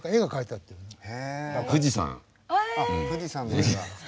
あっ富士山の絵が。